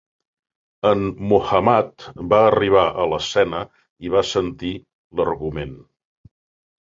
Muhammad va arribar a l'escena i va sentir l'argument.